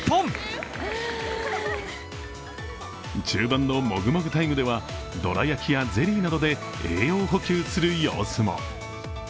中盤のもぐもぐタイムではどら焼きやゼリーなどで栄養補給する様子も。